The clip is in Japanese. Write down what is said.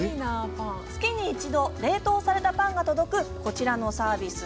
月に一度、冷凍されたパンが届くこちらのサービス。